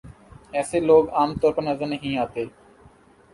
ایسے لوگ عام طور پر نظر نہیں آتے